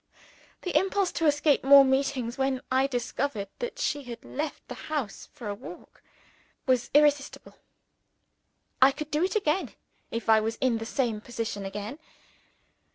The impulse to escape more meetings (when I discovered that she had left the house for a walk) was irresistible. I should do it again, if I was in the same position again.